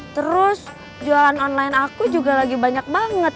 terus jualan online aku juga lagi banyak banget